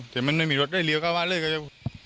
จนมันไม่มีรถได้เรียกเอาไปเลยก็จะ